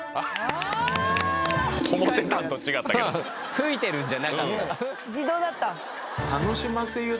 吹いてるんじゃなかった。